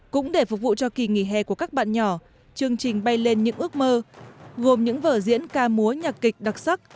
cũng để phục vụ cho kỳ nghỉ hè của các bạn nhỏ chương trình bay lên những ước mơ gồm những vở diễn ca múa nhạc kịch đặc sắc